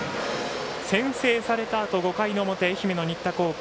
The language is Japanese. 先制されたあと、５回の表愛媛の新田高校。